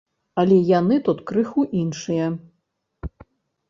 Але яны тут крыху іншыя.